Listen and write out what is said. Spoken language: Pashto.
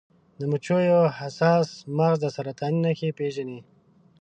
د مچیو حساس مغز د سرطان نښې پیژني.